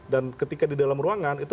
dan ketika di dalam ruangan itu